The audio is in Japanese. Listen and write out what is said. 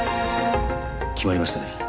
決まりましたね。